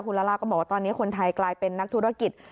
คุณลาล่าก็บอกว่าตอนนี้คนไทยกลายเป็นนักธุรกิจ